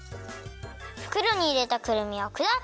ふくろにいれたくるみをくだく！